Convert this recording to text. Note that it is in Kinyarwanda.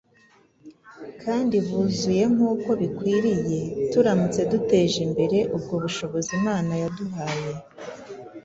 kandi buzuye nk’uko bikwiriye turamutse duteje imbere ubwo bushobozi Imana yaduhaye.